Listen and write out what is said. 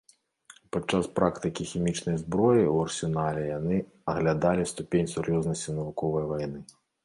Падчас практыкі хімічнай зброі ў арсенале яны аглядалі ступень сур'ёзнасці навуковай вайны.